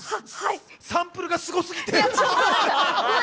サンプルがすごすぎて。